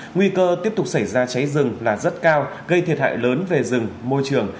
nguy cơ tiếp tục xảy ra cháy rừng là rất cao gây thiệt hại lớn về rừng môi trường